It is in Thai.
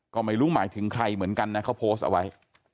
ก็ไม่รู้หมายถึงใครเหมือนกันนะเขาโพสต์เอาไว้